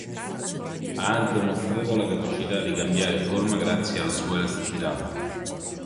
Ha anche mostrato la capacità di cambiare forma grazie alla sua elasticità.